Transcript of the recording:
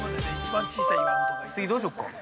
次、どうしようか。